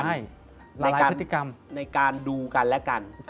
ใช่ในพฤติกรรมในการดูกันและกัน